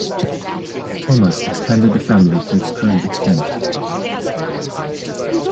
Thomas expanded the family to its current extent.